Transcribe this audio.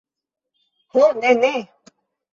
Ho ne, ne.